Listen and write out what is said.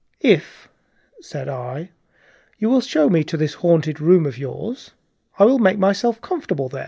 "If," said I, "you will show me to this haunted room of yours, I will make myself comfortable there."